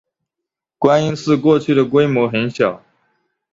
观音寺过去的规模很小。